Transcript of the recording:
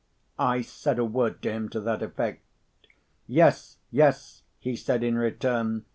I said a word to him to that effect. "Yes, yes!" he said in return.